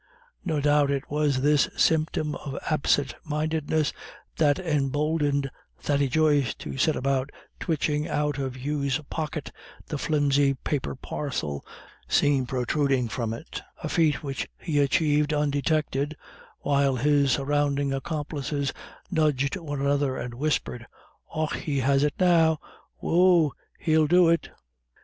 No doubt it was this symptom of absentmindedness that emboldened Thady Joyce to set about twitching out of Hugh's pocket the flimsy paper parcel seen protruding from it, a feat which he achieved undetected, while his surrounding accomplices nudged one another and whispered: "Och he has it now whoo oo he'll do it."